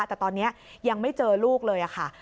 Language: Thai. แต่ตอนนี้ยังไม่เจอลูกเลยค่ะ